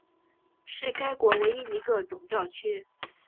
是该国唯一一个总教区。